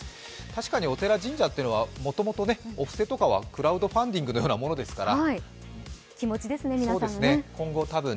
確かにお寺や神社っていうのはもともとお布施というのはクラウドファンディングのようなものですから。